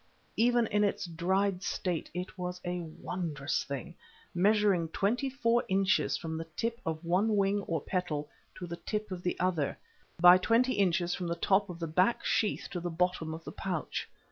Even in its dried state it was a wondrous thing, measuring twenty four inches from the tip of one wing or petal to the tip of the other, by twenty inches from the top of the back sheath to the bottom of the pouch.